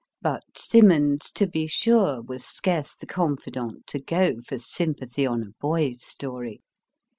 But Symonds (to be sure) was scarce the confidant to go for sympathy on a boy s story.